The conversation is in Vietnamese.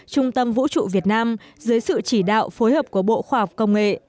trung tâm vũ trụ việt nam dưới sự chỉ đạo phối hợp của bộ khoa học công nghệ